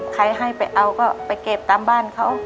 ใครให้ไปเอาก็ไปเก็บตามบ้านเขา